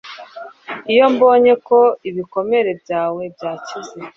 iyo mbonye ko ibikomere byawe byakize